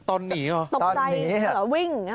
ตกใจเหรอวิ่ง